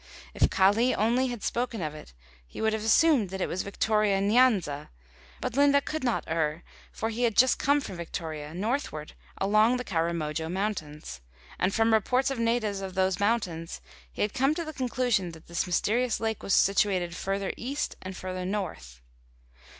If Kali only had spoken of it, he would have assumed that it was Victoria Nyanza, but Linde could not err for he had just come from Victoria, northward, along the Karamojo Mountains, and, from reports of natives of those mountains, he had come to the conclusion that this mysterious lake was situated further east and north.